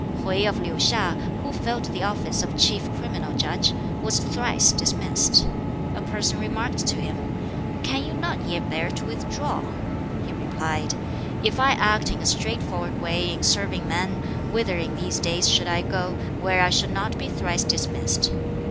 Hwķi of Liu hiŠ, who filled the office of Chief Criminal Judge, was thrice dismissed. A person remarked to him, "Can you not yet bear to withdraw?" He replied, "If I act in a straightforward way in serving men, whither in these days should I go, where I should not be thrice dismissed?